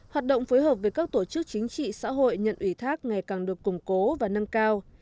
hoạt động phối hợp với các tổ chức chính trị xã hội nhận ủy thác ngày càng được củng cố và nâng cao